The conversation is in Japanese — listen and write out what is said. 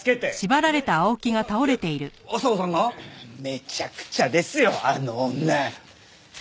めちゃくちゃですよあの女！